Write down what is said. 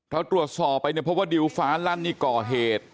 เราตรวจสอบไปเนี่ยเพราะว่าดิวฟ้าลั่นนี่ก่อเหตุ